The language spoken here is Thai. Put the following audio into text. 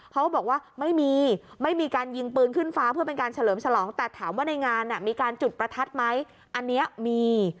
เขาบอกว่าไม่มีไม่มีการยิงปืนขึ้นฟ้าเพื่อเป็นการเฉลิมฉลองแต่ถามว่าในงานมีการจุดประทัดไหมอันนี้มี